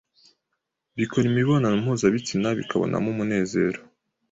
bikora imibonano mpuzabitsina bikabonamo umunezero